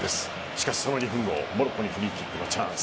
しかし、その２分後モロッコにフリーキックのチャンス。